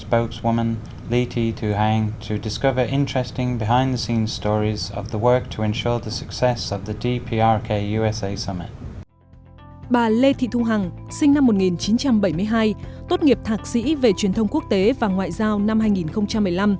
bà lê thị thu hằng sinh năm một nghìn chín trăm bảy mươi hai tốt nghiệp thạc sĩ về truyền thông quốc tế và ngoại giao năm hai nghìn một mươi năm